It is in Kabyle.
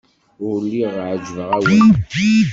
Ur lliɣ ɛejbeɣ-awen.